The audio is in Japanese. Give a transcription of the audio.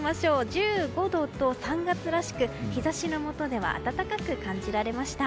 １５度と３月らしく日差しのもとでは暖かく感じられました。